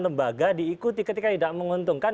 lembaga diikuti ketika tidak menguntungkan